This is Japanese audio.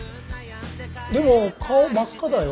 でも顔真っ赤だよ。